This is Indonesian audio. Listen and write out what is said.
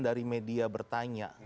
dari media bertanya